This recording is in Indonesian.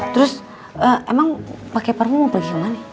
terus emang pake parfum apa gimana nih